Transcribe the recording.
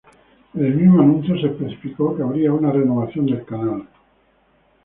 En el mismo anuncio se especificó que habría una renovación del canal.